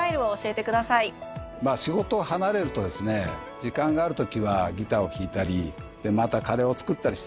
仕事を離れるとですね時間があるときはギターを弾いたりまたカレーを作ったりしてます。